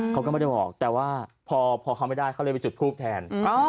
เขาก็ไม่ได้บอกแต่ว่าพอเขาไม่ได้เขาเลยไปจุดทูปแทน